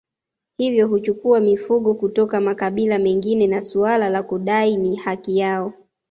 Hivyo huchukua mifugo kutoka makabila mengine ni suala la kudai ni haki yao